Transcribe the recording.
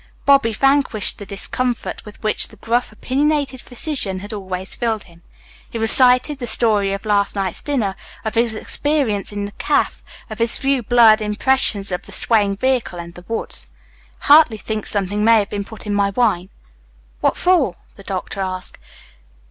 Bobby vanquished the discomfort with which the gruff, opinionated physician had always filled him. He recited the story of last night's dinner, of his experience in the cafe, of his few blurred impressions of the swaying vehicle and the woods. "Hartley thinks something may have been put in my wine." "What for?" the doctor asked.